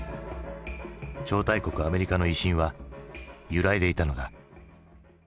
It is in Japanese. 超大国アメリカの威信は揺らいでいたのだ。